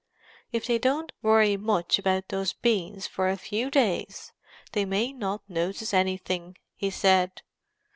"If they don't worry much about those beans for a few days they may not notice anything," he said.